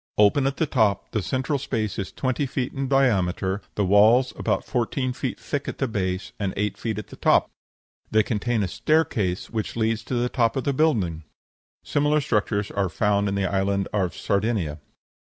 Open at the top; the central space is twenty feet in diameter, the walls about fourteen feet thick at the base, and eight feet at the top. They contain a staircase, which leads to the top of the building. Similar structures are found in the Island of Sardinia.